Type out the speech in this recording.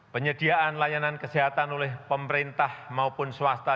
penyediaan layanan kesehatan oleh pemerintah maupun swasta